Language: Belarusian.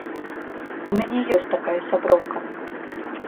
У мяне ёсць такая сяброўка.